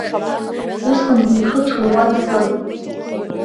Усҟангьы ихы ҭууа дыҟан.